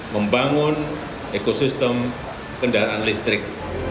membangun ekosistem kendaraan listrik